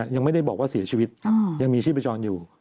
ยังไม่ได้บอกว่าเสียชีวิตยังมีชีพจรอยู่